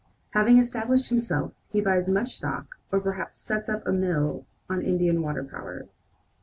Having established himself, he buys much stock, or perhaps sets up a mill on Indian water power.